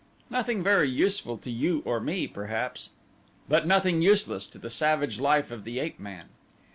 Nothing very useful to you or me, perhaps; but nothing useless to the savage life of the ape man.